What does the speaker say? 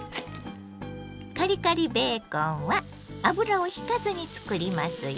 カリカリベーコンは油をひかずにつくりますよ。